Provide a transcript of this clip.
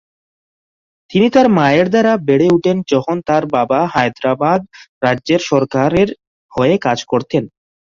তিনি তার মায়ের দ্বারা বেড়ে ওঠেন যখন তার বাবা হায়দ্রাবাদ রাজ্যের সরকারের হয়ে কাজ করতেন।